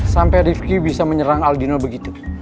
sampai rifki bisa menyerang aldino begitu